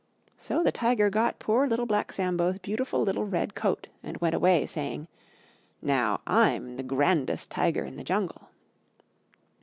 So the Tiger got poor Little Black Sambo's beautiful little Red Coat, and went away saying, "Now I'm the grandest Tiger in the Jungle."